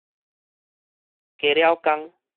加了工